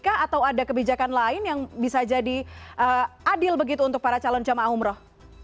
atau ada kebijakan lain yang bisa jadi adil begitu untuk para calon jemaah umroh